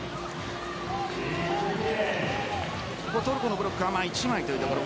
トルコのブロックは１枚というところ。